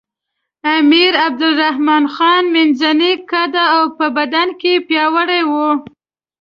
امیر عبدالرحمن خان منځنی قده او په بدن کې پیاوړی وو.